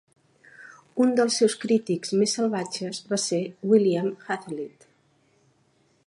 Un dels seus crítics més salvatges va ser William Hazlitt.